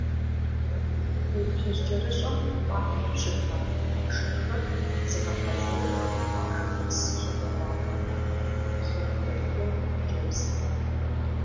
Кхъуейплъыжь кӏэрыщӏэм фӏалъхьэу щыта хьэпшыпхэр зыгъэхьэзырыр къуажэдэс щӏалэгъуалэрат, псом хуэмыдэу хъыджэбзхэм.